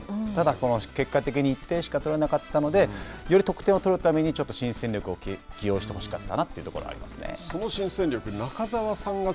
ただ、結果的に１点仕方なかったのでより得点を取るために新戦力を起用してほしかったなというところはありますね。